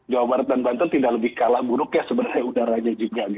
jawa barat dan banten tidak lebih kalah buruk ya sebenarnya udaranya juga